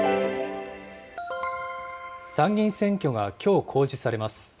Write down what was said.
参議院選挙がきょう、公示されます。